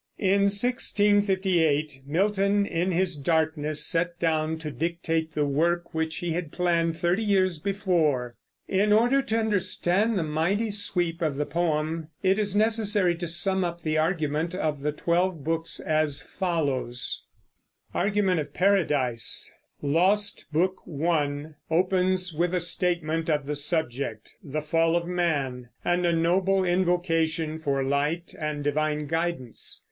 In 1658 Milton in his darkness sat down to dictate the work which he had planned thirty years before. In order to understand the mighty sweep of the poem it is necessary to sum up the argument of the twelve books, as follows: Book I opens with a statement of the subject, the Fall of Man, and a noble invocation for light and divine guidance.